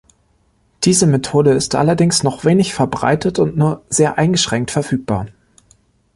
Diese Methode ist allerdings noch wenig verbreitet und nur sehr eingeschränkt verfügbar.